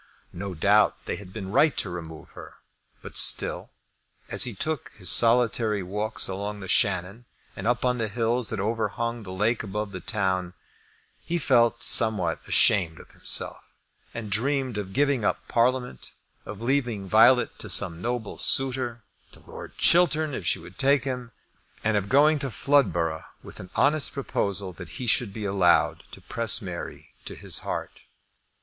No doubt they had been right to remove her. But, still, as he took his solitary walks along the Shannon, and up on the hills that overhung the lake above the town, he felt somewhat ashamed of himself, and dreamed of giving up Parliament, of leaving Violet to some noble suitor, to Lord Chiltern, if she would take him, and of going to Floodborough with an honest proposal that he should be allowed to press Mary to his heart.